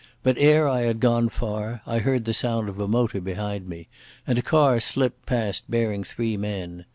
But ere I had gone far I heard the sound of a motor behind me, and a car slipped past bearing three men.